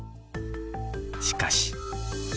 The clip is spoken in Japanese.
しかし。